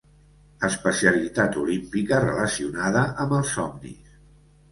Especialitat olímpica relacionada amb els somnis.